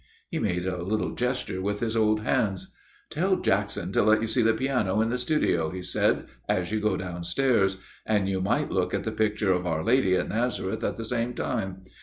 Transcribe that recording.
" He made a little gesture with his old hands. "* Tell Jackson to let you see the piano in the studio,' he said, ' as you go downstairs. And you might look at the picture of Our Lady at Nazareth at the same time.